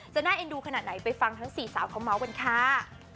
น่าเอ็นดูขนาดไหนไปฟังทั้งสี่สาวเขาเมาส์กันค่ะ